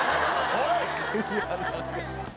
おい！